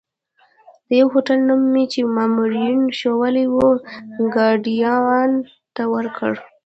د یوه هوټل نوم مې چې مامورینو ښوولی وو، ګاډیوان ته ورکړ.